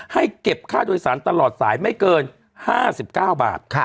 ให้เก็บค่าโดยสารตลอดสายไม่เกิน๕๙บาท